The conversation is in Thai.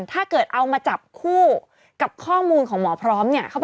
ถ้าเกิดเอามาจับคู่กับข้อมูลของหมอพร้อมเนี่ย